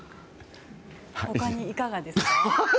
他にいかがですか。